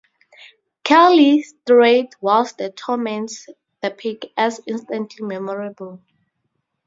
Curly, straight" whilst he torments the pig as "instantly memorable".